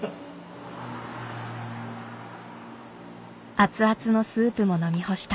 熱々のスープも飲み干した。